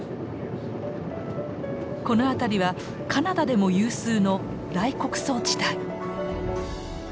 この辺りはカナダでも有数の大穀倉地帯。